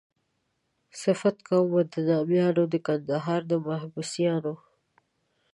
صفت کومه د نامیانو د کندهار د محبسیانو.